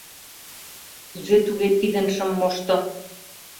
Кузе-туге пидын шым мошто?..